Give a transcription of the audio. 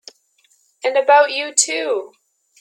And about you too!